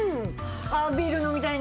ああビール飲みたいね。